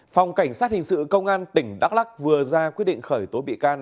phòng cảnh sát hình sự công an tỉnh đắk lắc vừa ra quyết định khởi tố bị can